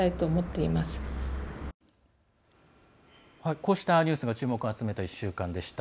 こうしたニュースが注目を集めた１週間でした。